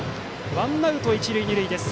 ワンアウト、一塁二塁です。